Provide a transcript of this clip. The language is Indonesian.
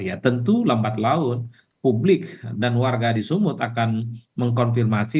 ya tentu lambat laun publik dan warga di sumut akan mengkonfirmasi